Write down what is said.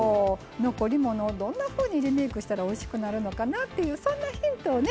残り物をどんなふうにリメイクしたらおいしくなるのかなっていうそんなヒントをね